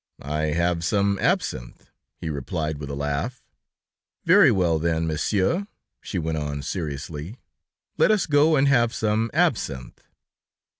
"I have some absinthe," he replied, with a laugh. "Very well, then, Monsieur," she went on, seriously, "let us go and have some absinthe."